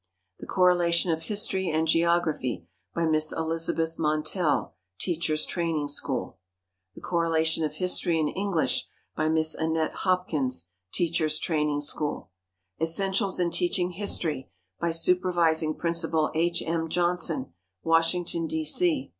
"The Correlation of History and Geography," by Miss Elizabeth Montell, Teachers' Training School. "The Correlation of History and English," by Miss Annette Hopkins, Teachers' Training School. "Essentials in Teaching History," by Supervising Principal H. M. Johnson, Washington, D. C.